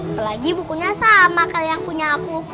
apalagi bukunya sama kayak yang punya aku